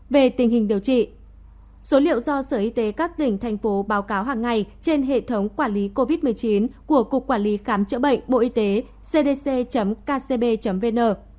về tình hình điều trị số liệu do sở y tế các tỉnh thành phố báo cáo hàng ngày trên hệ thống quản lý covid một mươi chín của cục quản lý khám chữa bệnh bộ y tế cdc kcb vn